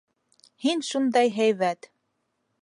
Һин шундай һәйбәт!